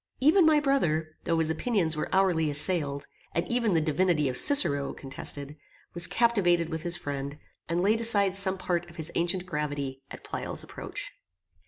Even my brother, though his opinions were hourly assailed, and even the divinity of Cicero contested, was captivated with his friend, and laid aside some part of his ancient gravity at Pleyel's approach.